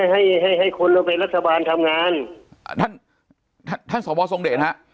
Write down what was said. ให้ให้ให้ไอห์คนเราไปรัฐบาลทำงานท่านท่านสอวโล่ส่งเดชน่ะ